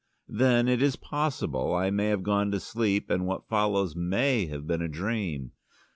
Then, it is possible, I may have gone to sleep, and what follows may have been a dream.